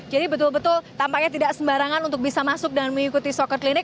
betul betul tampaknya tidak sembarangan untuk bisa masuk dan mengikuti soccer clinic